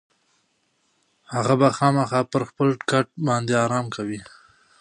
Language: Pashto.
هغه به خامخا پر خپل کټ باندې ارام کوي.